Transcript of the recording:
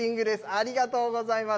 ありがとうございます。